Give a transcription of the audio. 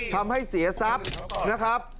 ทำให้เสียทรัพย์นะครับ